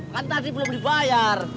kan tadi belum dibayar